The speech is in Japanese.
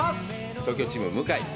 東京チーム、向井。